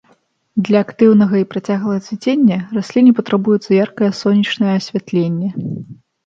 Для актыўнага і працяглага цвіцення расліне патрабуецца яркае сонечнае асвятленне.